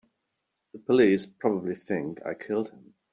The police probably think I killed him.